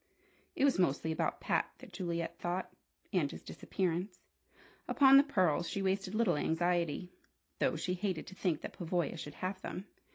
It was mostly about Pat that Juliet thought, and his disappearance. Upon the pearls she wasted little anxiety, though she hated to think that Pavoya should have them.